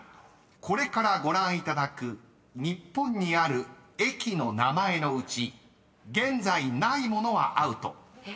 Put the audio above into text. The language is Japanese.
［これからご覧いただく日本にある駅の名前のうち現在ないものはアウト］